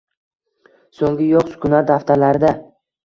So’nggi yo’q sukunat daftarlarida